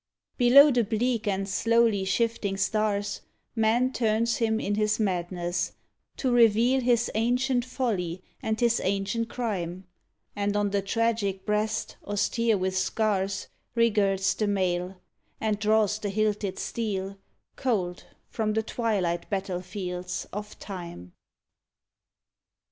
Below the bleak and slowly shifting stars, Man turns him in his madness, to reveal His ancient folly and his ancient crime, And on the tragic breast austere with scars Re girds the mail, and draws the hilted steel, Cold from the twilight battlefields of Time.